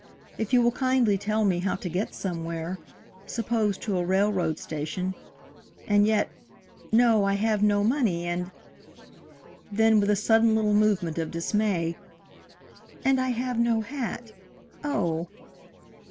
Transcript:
If you will kindly tell me how to get somewhere suppose to a railroad station and yet no, I have no money and" then with a sudden little movement of dismay "and I have no hat! Oh!"